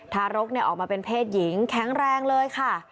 ทารกออกมาเป็นเพศหญิงแข็งแรงเลยค่ะ